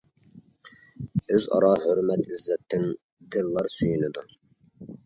ئۆز ئارا ھۆرمەت، ئىززەتتىن دىللار سۆيۈنىدۇ.